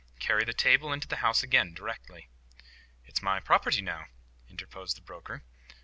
Carry that table into the house again, directly." "It's my property, now," interposed the broker.